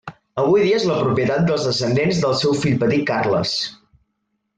Avui dia és la propietat dels descendents del seu fill petit Carles.